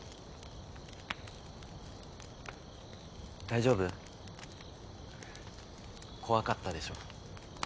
大丈夫？怖かったでしょ。